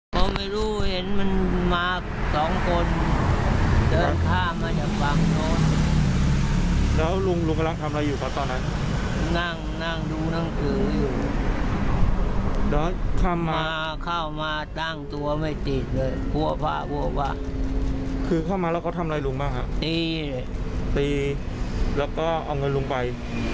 ปีเลยปีแล้วก็เอาเงินลงไป